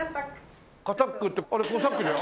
カタックってあれコサックじゃ。